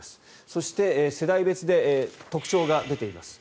そして世代別で特徴が出ています。